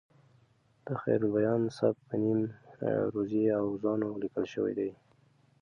د خیرالبیان سبک په نیم عروضي اوزانو لیکل شوی دی.